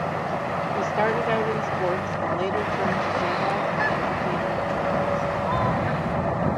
He started out in sports and later turned to general and entertainment journalism.